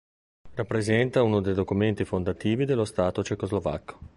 Rappresenta uno dei documenti fondativi dello Stato ceco-slovacco.